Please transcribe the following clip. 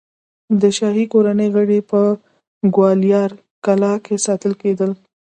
د شاهي کورنۍ غړي په ګوالیار کلا کې ساتل کېدل.